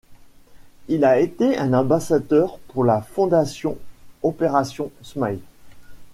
Il a été un ambassadeur pour la fondation Operation Smile.